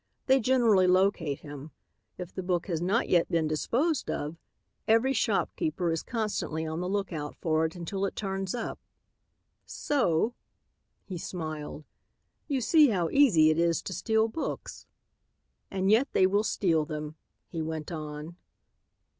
They generally locate him. If the book has not yet been disposed of, every shopkeeper is constantly on the lookout for it until it turns up. So," he smiled, "you see how easy it is to steal books. "And yet they will steal them," he went on.